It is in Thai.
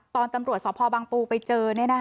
ตอนตำรวจสมภาบังปูไปเจอ